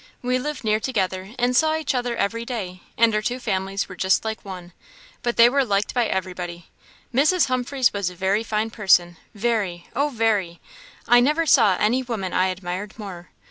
We lived near together, and saw each other every day, and our two families were just like one. But they were liked by everybody. Mrs. Humphreys was a very fine person very; oh, very! I never saw any woman I admired more.